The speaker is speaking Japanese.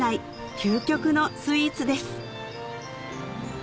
究極のスイーツです